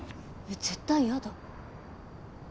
絶対やだ。